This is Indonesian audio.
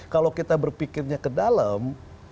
kalau kita berpikirnya ke dalam